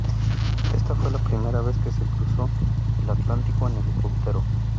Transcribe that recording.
Esta fue la primera vez que se cruzó el Atlántico en helicóptero.